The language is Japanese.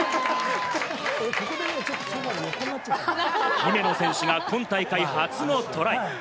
姫野選手が今大会初のトライ。